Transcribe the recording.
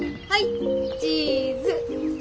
はい。